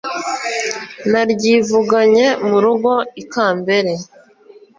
Naryivuganye mu rugo ikambere